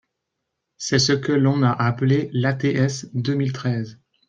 C’est ce que l’on a appelé l’ATS deux mille treize.